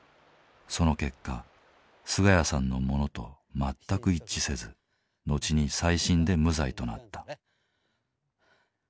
その結果菅家さんのものと全く一致せず後に再審で無罪となった。